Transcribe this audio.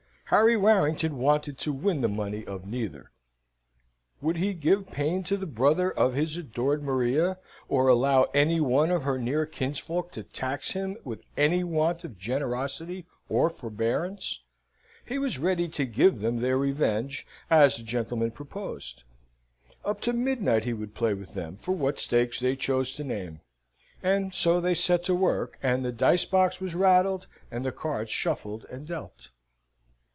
Harry Warrington wanted to win the money of neither. Would he give pain to the brother of his adored Maria, or allow any one of her near kinsfolk to tax him with any want of generosity or forbearance? He was ready to give them their revenge, as the gentlemen proposed. Up to midnight he would play with them for what stakes they chose to name. And so they set to work, and the dice box was rattled and the cards shuffled and dealt.